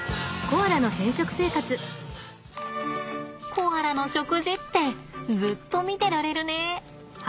コアラの食事ってずっと見てられるね。